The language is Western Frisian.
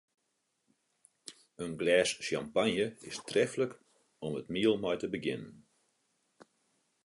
In glês sjampanje is treflik om it miel mei te begjinnen.